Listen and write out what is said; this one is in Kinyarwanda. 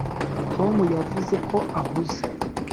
tom yavuze ko ahuze